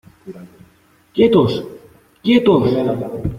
¡ quietos!... ¡ quietos !...